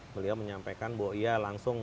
beliau menyampaikan bahwa ia langsung